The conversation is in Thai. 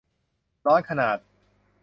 ร้อนขนาด